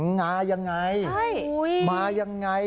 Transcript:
งายังไงมายังไง